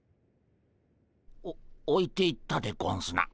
おおいていったでゴンスな。